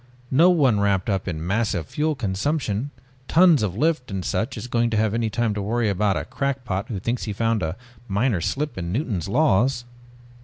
No one wrapped up in massive fuel consumption, tons of lift and such is going to have time to worry about a crackpot who thinks he has found a minor slip in Newton's laws."